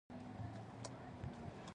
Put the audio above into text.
سپېرې ښکارېدلې، ښه لرې، د یوې غونډۍ له پاسه.